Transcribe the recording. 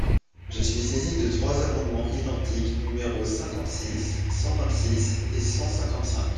Je suis saisi de trois amendements identiques, numéros cinquante-six, cent vingt-six et cent cinquante-cinq.